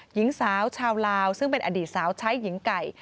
หญิงสาวชาวลาวซึ่งเป็นอดีตสาวใช้หญิงไก่